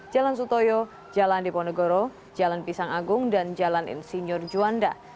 jalan sutoyo jalan diponegoro jalan pisang agung dan jalan insinyur juanda